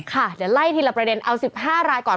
ค่ะเดี๋ยวไล่ทีละประเด็นเอา๑๕รายก่อน